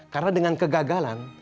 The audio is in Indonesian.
karena dengan kegagalan